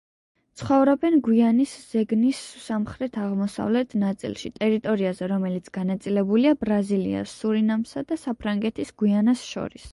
ცხოვრობენ გვიანის ზეგნის სამხრეთ-აღმოსავლეთ ნაწილში, ტერიტორიაზე რომელიც განაწილებულია ბრაზილიას, სურინამსა და საფრანგეთის გვიანას შორის.